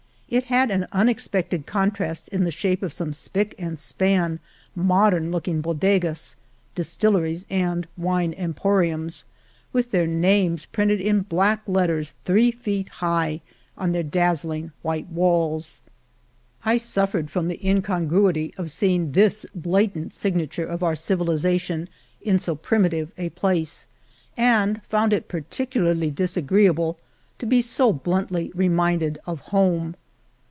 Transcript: It had an unexpected contrast in the shape of some spick and span modem looking bodegas (distilleries and wine emporiums) with their names printed in black letters three feet high on their dazzling white walls. 178 The Morena I suffered from the incongruity of seeing this blatant signature of our civilization in so primitive a place, and found it particularly disagreeable to be so bluntly reminded of home.